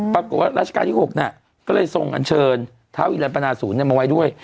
ปรากฏว่าราชการที่๖ก็เลยทรงอันเชิญท้าวิรันปนาศูนย์มาไว้ด้วย